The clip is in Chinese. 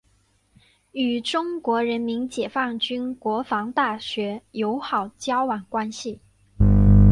与中国人民解放军国防大学友好交往关系。